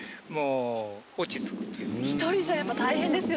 １人じゃやっぱり大変ですよね。